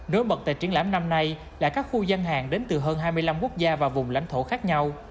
đối bật tại triển lãm năm nay là các khu gian hàng đến từ hơn hai mươi năm quốc gia và vùng lãnh thổ khác nhau